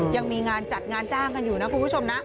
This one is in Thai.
ยังมีงานจัดงานจ้างกันอยู่นะคุณผู้ชมนะ